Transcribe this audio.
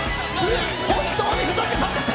本当にふざけさせて！